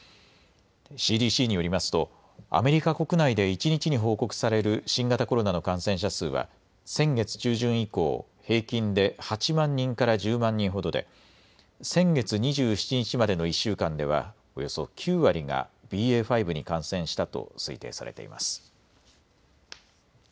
ＣＤＣによりますとアメリカ国内で一日に報告される新型コロナの感染者数は先月中旬以降、平均で８万人から１０万人ほどで先月２７日までの１週間ではおよそ９割がＢＡ．５に感染したと推定されています。